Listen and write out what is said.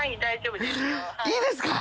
いいですか！